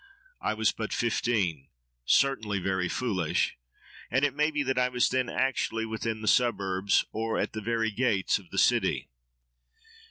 I was but fifteen—certainly very foolish: and it may be that I was then actually within the suburbs, or at the very gates, of the city.